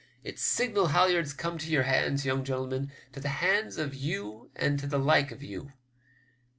Its signal halliards come to your hands, young gentle men ; to the hands of you and to the like of you.